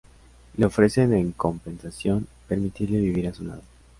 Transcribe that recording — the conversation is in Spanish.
Le ofrecen, en compensación, permitirle vivir a su lado.